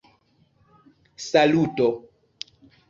saluto